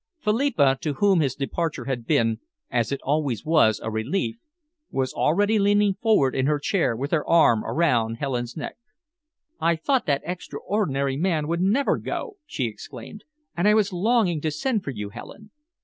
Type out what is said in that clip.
Philippa, to whom his departure had been, as it always was, a relief, was already leaning forward in her chair with her arm around Helen's neck. "I thought that extraordinary man would never go," she exclaimed, "and I was longing to send for you, Helen.